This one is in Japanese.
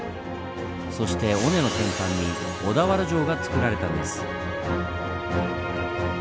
そして尾根の先端に小田原城がつくられたんです。